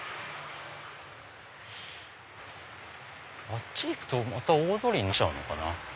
あっち行くとまた大通りになっちゃうのかな。